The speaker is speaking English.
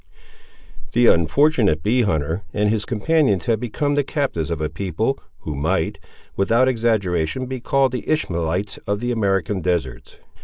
The unfortunate bee hunter and his companions had become the captives of a people, who might, without exaggeration, be called the Ishmaelites of the American deserts.